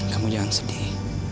kamu jangan sedih